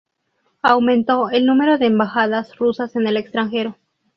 Aumentó el número de embajadas rusas en el extranjero.